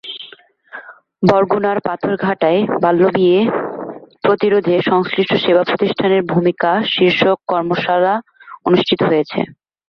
বরগুনার পাথরঘাটায় বাল্যবিয়ে প্রতিরোধে সংশ্লিষ্ট সেবা প্রতিষ্ঠানের ভূমিকা শীর্ষক কর্মশালা অনুষ্ঠিত হয়েছে।